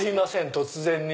突然に。